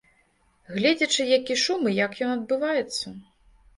Гледзячы які шум і як ён адбываецца.